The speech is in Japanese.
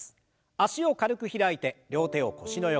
脚を軽く開いて両手を腰の横。